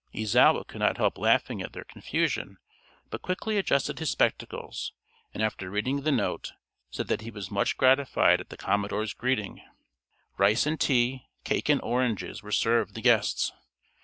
Izawa could not help laughing at their confusion, but quickly adjusted his spectacles, and after reading the note, said that he was much gratified at the commodore's greeting. Rice and tea, cake and oranges were served the guests.